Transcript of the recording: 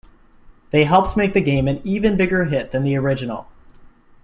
They helped to make the game an even bigger hit than the original.